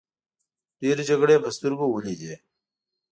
ډیرې جګړې په سترګو ولیدې.